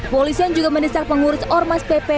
polisian juga menisak pengurus ormas pp